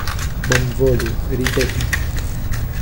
Bonvolu ripeti.